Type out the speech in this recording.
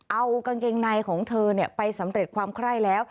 เอากางเกงในของเธอไปสำเร็จความไคร้แล้ว